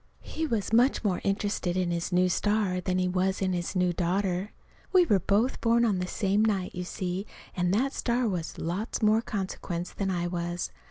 He was much more interested in his new star than he was in his new daughter. We were both born the same night, you see, and that star was lots more consequence than I was.